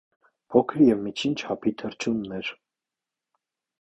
Փոքր և միջին չափի թռչուններ։